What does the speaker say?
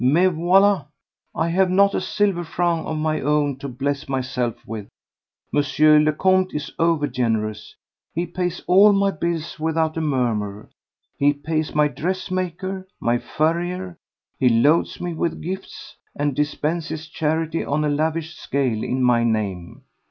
Mais voilà: I have not a silver franc of my own to bless myself with. M. le Comte is over generous. He pays all my bills without a murmur—he pays my dressmaker, my furrier; he loads me with gifts and dispenses charity on a lavish scale in my name.